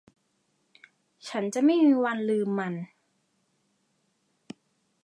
ฉันจะไม่มีวันลืมมัน